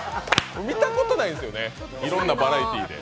見たことないんですよね、いろんなバラエティーで。